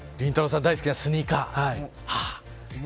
さん大好きなスニーカー。